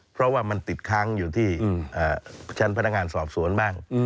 เพราะว่ามันติดค้างอยู่ที่ชั้นพนักงานสอบสวนบ้าง